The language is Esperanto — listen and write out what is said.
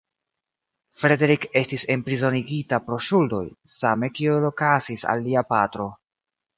Frederick estis enprizonigita pro ŝuldoj, same kiel okazis al lia patro.